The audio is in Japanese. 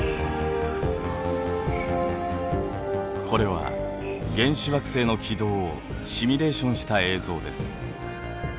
これは原始惑星の軌道をシミュレーションした映像です。